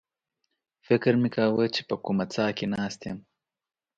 فکر مې کاوه چې په کومه څاه کې ناست یم.